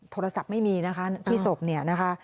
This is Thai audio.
โทรศัพท์ไม่มีนะคะที่ศพเนี่ยนะคะ